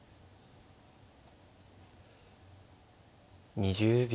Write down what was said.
２０秒。